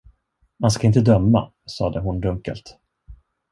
Man ska inte döma, sade hon dunkelt.